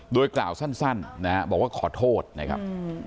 โดยกล่าวสั้นนะฮะบอกว่าขอโทษนะครับ